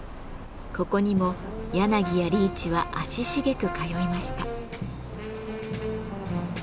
ここにも柳やリーチは足繁く通いました。